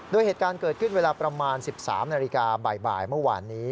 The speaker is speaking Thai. โดยเหตุการณ์เกิดขึ้นเวลาประมาณ๑๓นาฬิกาบ่ายเมื่อวานนี้